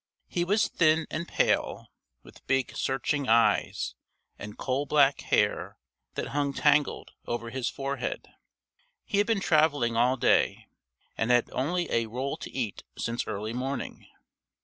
He was thin and pale, with big searching eyes, and coal black hair that hung tangled over his forehead. He had been traveling all day, and had had only a roll to eat since early morning.